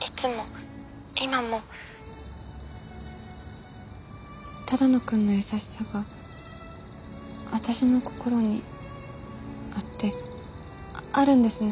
いつも今も只野くんの優しさが私の心にあってあるんですね